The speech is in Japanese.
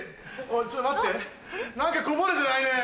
ちょっと待って何かこぼれてない？ねぇ。